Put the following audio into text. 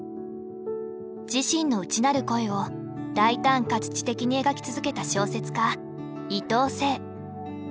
自身の内なる声を大胆かつ知的に描き続けた小説家伊藤整。